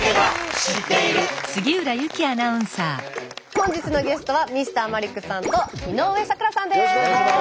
本日のゲストはＭｒ．マリックさんと井上咲楽さんです。